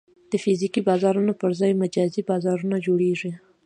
د فزیکي بازارونو پر ځای مجازي بازارونه جوړېږي.